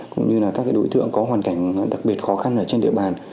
cũng như là các đối tượng có hoàn cảnh đặc biệt khó khăn ở trên địa bàn